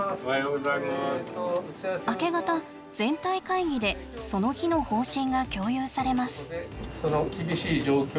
明け方全体会議でその日の方針が共有されます。